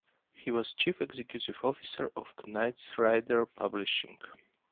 He was chief executive officer of Knight-Ridder publishing.